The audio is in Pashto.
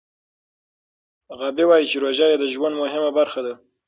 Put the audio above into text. غابي وايي چې روژه یې د ژوند مهمه برخه ده.